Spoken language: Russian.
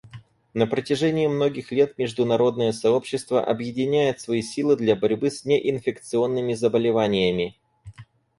На протяжении многих лет международное сообщество объединяет свои силы для борьбы с неинфекционными заболеваниями.